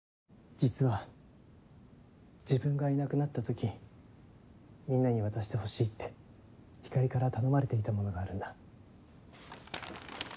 実は自分がいなくなった時みんなに渡してほしいってひかりから頼まれていたものがあるんだ。